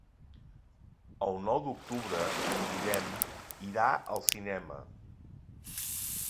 El nou d'octubre en Guillem irà al cinema.